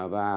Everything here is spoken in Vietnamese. và các cấp